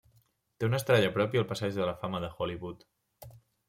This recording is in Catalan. Té una estrella pròpia al Passeig de la Fama de Hollywood.